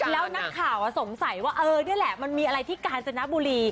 แล้วนักข่าวสงสัยว่าเออนี่แหละมันมีอะไรที่กาญจนบุรี